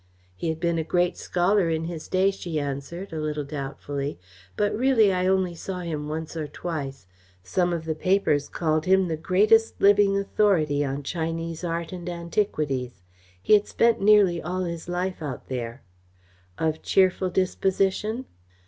"He had been a great scholar in his day," she answered, a little doubtfully, "but really I only saw him once or twice. Some of the papers called him the greatest living authority on Chinese art and antiquities. He had spent nearly all his life out there." "Of cheerful disposition?"